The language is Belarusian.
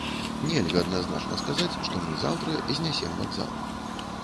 Нельга адназначна сказаць, што мы заўтра знясем вакзал.